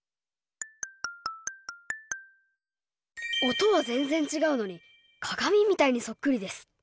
音は全然違うのに鏡みたいにそっくりです。